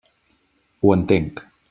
Ho entenc.